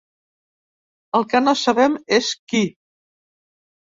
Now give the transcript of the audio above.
El que no sabem és qui.